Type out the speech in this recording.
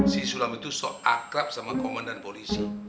si sulam itu akrab sama komandan polisi